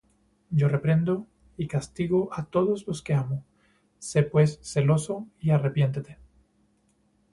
Yo reprendo y castigo á todos los que amo: sé pues celoso, y arrepiéntete.